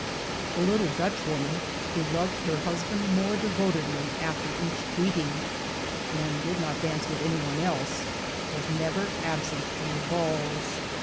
The little Dutch woman, who loved her husband more devotedly after each beating, and did not dance with any one else, was never absent from the balls.